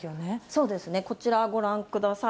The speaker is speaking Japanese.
そうですね、こちらご覧ください。